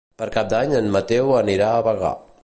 Per Cap d'Any en Mateu anirà a Bagà.